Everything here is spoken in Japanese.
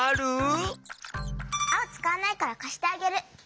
あおつかわないからかしてあげる。